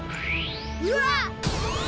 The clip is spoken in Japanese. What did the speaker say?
うわっ！